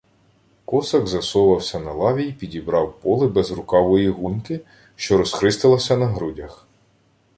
Косак засовався на лаві й підібрав поли безрукавої гуньки, що розхристалася на грудях.